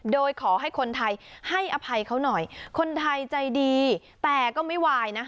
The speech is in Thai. โดยขอให้คนไทยให้อภัยเขาหน่อยคนไทยใจดีแต่ก็ไม่วายนะคะ